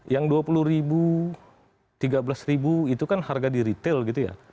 yang dua puluh ribu tiga belas ribu itu kan harga di retail gitu ya